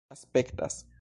aspektas